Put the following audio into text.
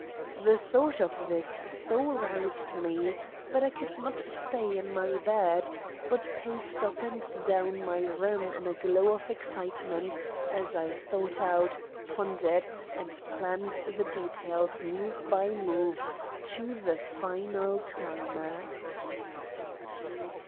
The thought of this so roused me that I could not stay in my bed, but paced up and down my room in a glow of excitement as I thought out, pondered, and planned the details move by move to the final climax.